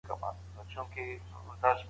مرګ ته تیاری د هوښیار سړي کار دی.